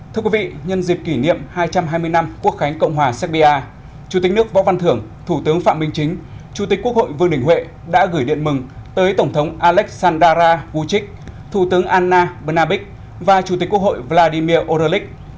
thưa quý vị nhân dịp kỷ niệm hai trăm hai mươi năm quốc khánh cộng hòa serbia chủ tịch nước võ văn thưởng thủ tướng phạm minh chính chủ tịch quốc hội vương đình huệ đã gửi điện mừng tới tổng thống alexandar huchik thủ tướng anna bnabique và chủ tịch quốc hội vladimir orek